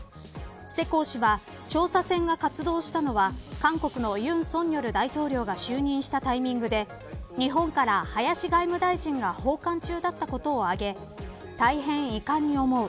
世耕氏は、調査船が活動したのは韓国の尹錫悦大統領が就任したタイミングで日本から林外務大臣が訪韓中だったことを挙げ大変遺憾に思う。